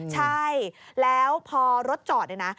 ใช่แล้วพอรถจอดเนี่ยนะ